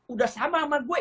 udah sama sama gue